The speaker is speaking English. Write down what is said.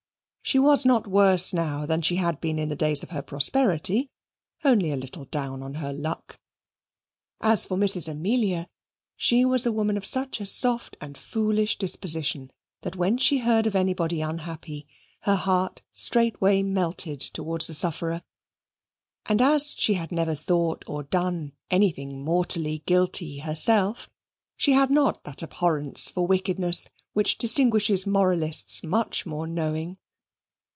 She was not worse now than she had been in the days of her prosperity only a little down on her luck. As for Mrs. Amelia, she was a woman of such a soft and foolish disposition that when she heard of anybody unhappy, her heart straightway melted towards the sufferer; and as she had never thought or done anything mortally guilty herself, she had not that abhorrence for wickedness which distinguishes moralists much more knowing.